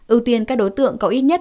ưu tiên các đối tượng có ít nhất